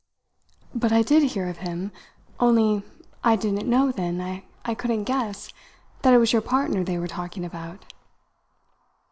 "But I did hear of him; only I didn't know then, I couldn't guess, that it was your partner they were talking about."